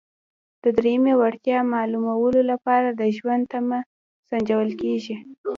د دریمې وړتیا معلومولو لپاره د ژوند تمه سنجول کیږي.